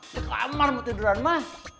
di kamar mau tiduran mas